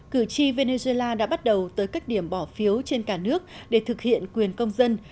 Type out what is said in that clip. cử tri venezuela đã bắt đầu tới các điểm bỏ phiếu trên cả nước để thực hiện quyền công dân